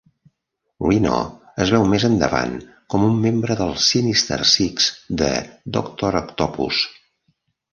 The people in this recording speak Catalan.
Rhino és veu més endavant com un membre dels Sinister Six de Doctor Octopus.